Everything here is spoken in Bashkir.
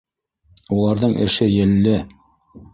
— Уларҙың эше елле.